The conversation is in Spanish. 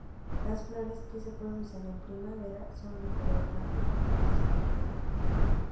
Las flores que se producen en primavera son de color blanco con puntos amarillos.